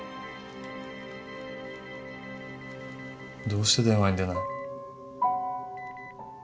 どうして電話に出ない？